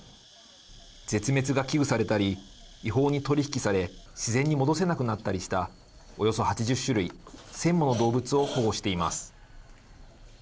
絶滅が危惧されたり違法に取引され自然に戻せなくなったりしたおよそ８０種類１０００もの動物を保護しています。